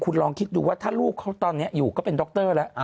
คุณลองคิดดูว่าเขานั่งตอนนี้อยู่ก็เป็นดรละ